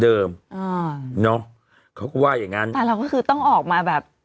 อ่าเนอะเขาก็ว่าอย่างงั้นแต่เราก็คือต้องออกมาแบบ